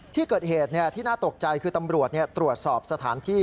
ที่เกิดเหตุที่น่าตกใจคือตำรวจตรวจสอบสถานที่